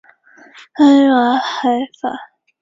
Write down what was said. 近松门左卫门的作品。